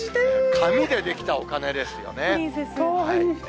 紙で出来たお金ですよね。